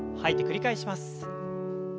繰り返します。